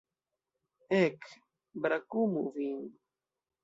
Ek, brakumu vin!